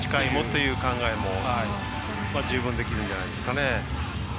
そういう考えも十分できるんじゃないですかね。